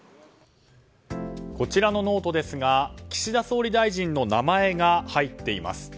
こちらのノートですが岸田総理大臣の名前が入っています。